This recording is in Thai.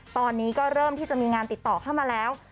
ตอนนี้ก็เริ่มที่จะมีงานติดต่อเข้ามาแล้ว